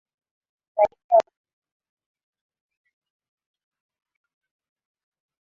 zaidi ya wapiga kura milioni ishirini na tisa nchi nyanmar